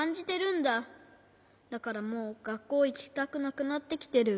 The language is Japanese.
だからもうがっこういきたくなくなってきてる。